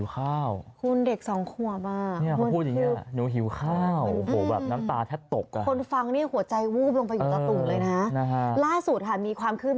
เขาบอกว่าเพิ่งยังมาตกกว่านี้เห็นรถล้มกันมา๒คน